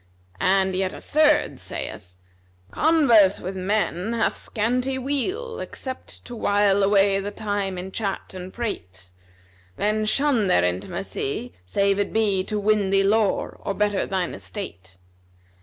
And yet a third saith, 'Converse with men hath scanty weal, except * To while away the time in chat and prate: Then shun their intimacy, save it be * To win thee lore, or better thine estate.'